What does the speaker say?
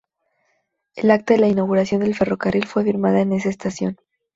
El acta de la inauguración del ferrocarril fue firmada en esta estación.